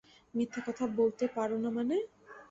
মিথ্য কথা বলতে পার না মানে?